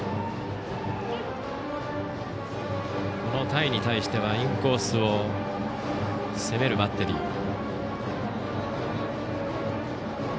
この田井に対してはインコースを攻めるバッテリー。